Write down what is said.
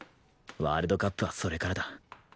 ワールドカップはそれからだ